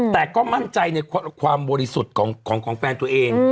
แต่ก็มั่นใจในความบริสุทธิ์ของแฟนตัวเอง